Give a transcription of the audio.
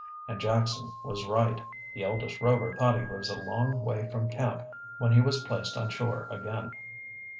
And Jackson was right, the eldest Rover thought he was a long way from camp when he was placed on shore again.